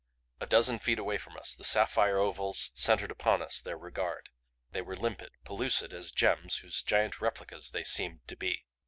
A dozen feet away from us the sapphire ovals centered upon us their regard. They were limpid, pellucid as gems whose giant replicas they seemed to be.